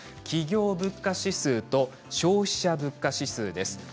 企業物価指数と消費者物価指数です。